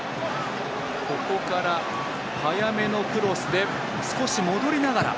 ここから早めのクロスで少し戻りながら。